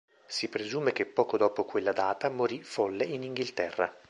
Si presume che, poco dopo quella data, morì folle in Inghilterra.